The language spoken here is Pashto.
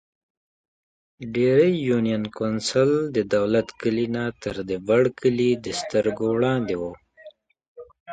ډېرۍ يونېن کونسل ددولت کلي نه تر د بڼ کلي دسترګو وړاندې وو ـ